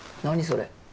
それ。